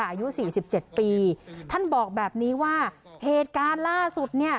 อายุสี่สิบเจ็ดปีท่านบอกแบบนี้ว่าเหตุการณ์ล่าสุดเนี่ย